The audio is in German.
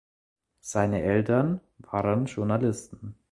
Seine Eltern waren Journalisten.